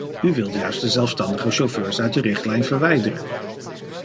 U wilt juist de zelfstandige chauffeurs uit de richtlijn verwijderen.